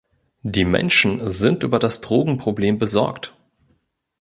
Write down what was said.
Die Menschen sind über das Drogenproblem besorgt.